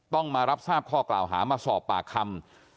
ต้องมารับทราบข้อกล่าวหามาสอบปากคำ